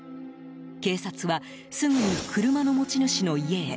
警察はすぐに車の持ち主の家へ。